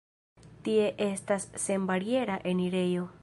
Tie estas senbariera enirejo.